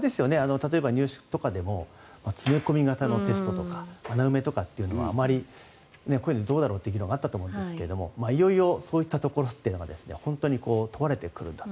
例えば入試とかでも詰め込み型のテストとか穴埋めとかっていうのはあまり、こういうのはどうだろうって議論があったと思うんですがいよいよそういったところというのが本当に問われてくるんだと。